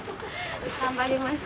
頑張ります。